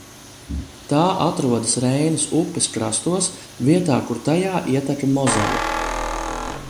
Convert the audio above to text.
Tā atrodas Reinas upes krastos, vietā, kur tajā ietek Mozele.